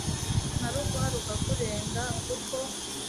nkaruguha rukakurenga kuko